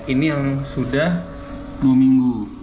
ini yang sudah dua minggu